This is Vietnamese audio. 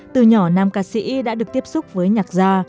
từ nhỏ nam ca sĩ đã được tiếp xúc với nhạc gia